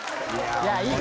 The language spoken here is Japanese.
いやいい！